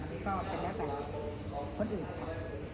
มันก็เป็นแล้วแต่คนอื่นค่ะ